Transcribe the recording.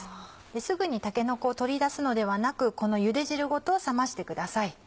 すぐにたけのこを取り出すのではなくこのゆで汁ごと冷ましてください。